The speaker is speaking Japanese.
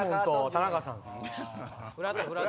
田中さんです。